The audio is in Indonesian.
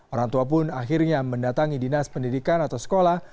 orang tua pun akhirnya mendatangi dinas pendidikan atau sekolah